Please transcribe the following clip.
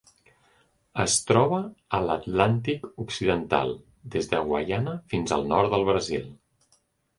Es troba a l'Atlàntic occidental: des de Guaiana fins al nord del Brasil.